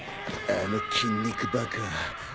あの筋肉バカ。